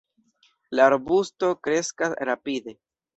La arbusto kreskas rapide.